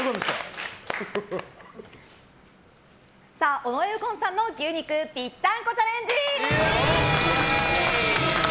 尾上右近さんの牛肉ぴったんこチャレンジ！